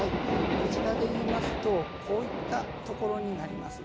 こちらでいいますとこういったところになります。